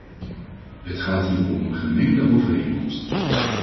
Het gaat hier om een gemengde overeenkomst.